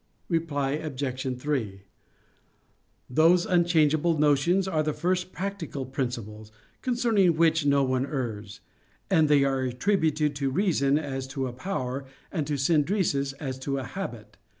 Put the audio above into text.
Reply Obj. 3: Those unchangeable notions are the first practical principles, concerning which no one errs; and they are attributed to reason as to a power, and to "synderesis" as to a habit.